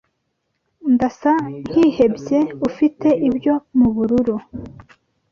Ndasa nkihebye? Ufite ibyo mubururu?